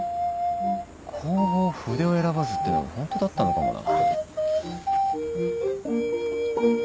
「弘法筆を選ばず」ってのもホントだったのかもな。